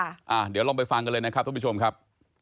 เดี๋ยวลองไปฟังกันเลยนะครับทุกผู้ชมครับ